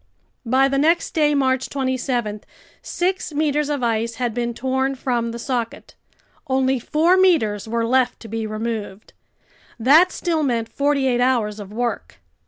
By the next day, March 27, six meters of ice had been torn from the socket. Only four meters were left to be removed. That still meant forty eight hours of work.